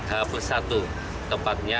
hape satu tepatnya